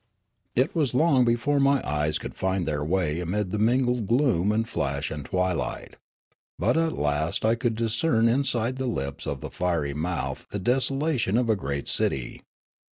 It was long before my eyes could find their way amid the mingled gloom and flash and twilight. But at last I could discern inside the lips of the fierj^ mouth the desolation of a great cit}